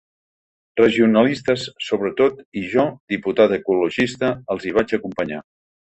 Regionalistes, sobretot, i jo, diputat ecologista, els hi vaig acompanyar.